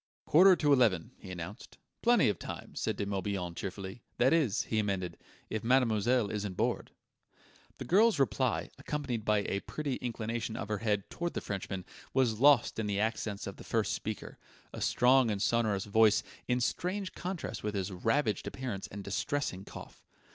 "Quarter to eleven," he announced. "Plenty of time," said De Morbihan cheerfully. "That is," he amended, "if mademoiselle isn't bored ..." The girl's reply, accompanied by a pretty inclination of her head toward the Frenchman, was lost in the accents of the first speaker a strong and sonorous voice, in strange contrast with his ravaged appearance and distressing cough.